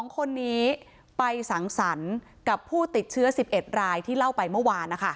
๒คนนี้ไปสังสรรค์กับผู้ติดเชื้อ๑๑รายที่เล่าไปเมื่อวาน